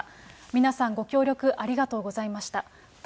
皆さん、ご協力ありがとうございました。